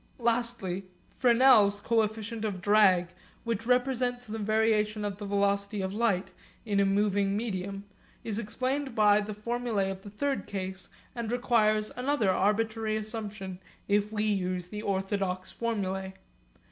Lastly Fresnel's coefficient of drag which represents the variation of the velocity of light in a moving medium is explained by the formulae of the third case, and requires another arbitrary assumption if we use the orthodox formulae.